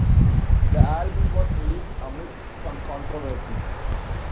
The album was released amidst some controversy.